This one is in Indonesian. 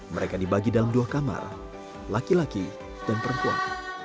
mereka dibagi dalam dua kamar laki laki dan perempuan